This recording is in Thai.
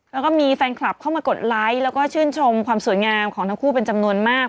แล้วก็มีแฟนคลับเข้ามากดไลค์แล้วก็ชื่นชมความสวยงามของทั้งคู่เป็นจำนวนมาก